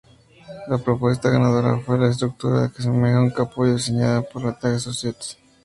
La propuesta ganadora fue la estructura que asemeja un capullo diseñada por Tange Associates.